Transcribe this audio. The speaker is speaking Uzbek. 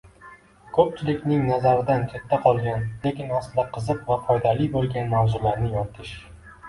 Ko‘pchilikning nazaridan chetda qolgan, lekin aslida qiziq va foydali bo‘lgan mavzularni yoritish.